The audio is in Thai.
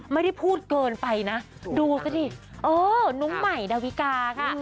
ไม่ได้พูดเกินไปนะดูซะดิเออน้องใหม่ดาวิกาค่ะ